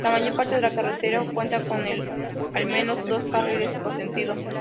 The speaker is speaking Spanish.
La mayor parte de la carretera cuenta con al menos dos carriles por sentido.